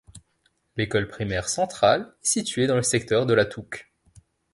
L'école primaire Central est situé dans le secteur de La Tuque.